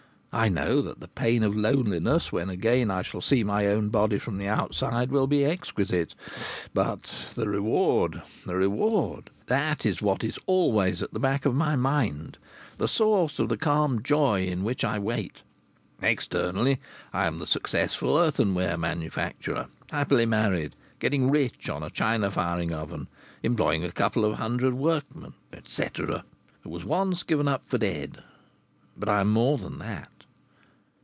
I know that the pain of loneliness, when again I shall see my own body from the outside, will be exquisite, but the reward! The reward! That is what is always at the back of my mind, the source of the calm joy in which I wait. Externally I am the successful earthenware manufacturer, happily married, getting rich on a china firing oven, employing a couple of hundred workmen, etcetera, who was once given up for dead. But I am more than that.